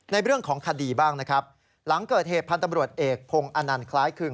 ในเรื่องของคดีบ้างหลังเกิดเหตุพันธุ์ตำรวจเอกพงศ์อนานขลายกึ่ง